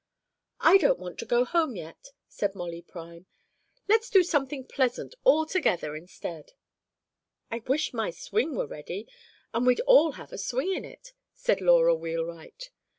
"I don't want to go home yet," said Molly Prime. "Let's do something pleasant all together instead." "I wish my swing were ready, and we'd all have a swing in it," said Laura Wheelwright.